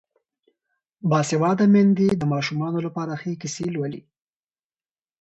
باسواده میندې د ماشومانو لپاره ښې کیسې لولي.